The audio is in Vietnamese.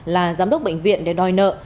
là giám đốc bệnh viện để đòi nợ